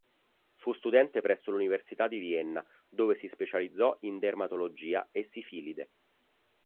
Fu studente presso l'Università di Vienna, dove si specializzò in dermatologia e sifilide.